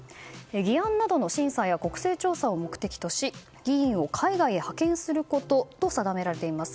議案などの審査や国勢調査を目的とし議員を海外へ派遣することと定められています。